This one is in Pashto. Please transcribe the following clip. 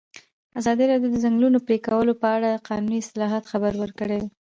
ازادي راډیو د د ځنګلونو پرېکول په اړه د قانوني اصلاحاتو خبر ورکړی.